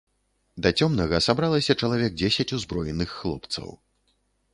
Да цёмнага сабралася чалавек дзесяць узброеных хлопцаў.